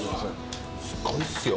すごいっすよ。